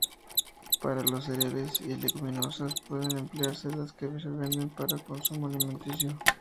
Para los cereales y leguminosas, pueden emplearse las que se venden para consumo alimenticio.